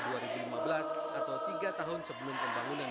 atau tiga tahun sebelum pembangunan bendungan dimulai